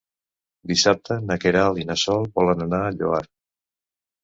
Dissabte na Queralt i na Sol volen anar al Lloar.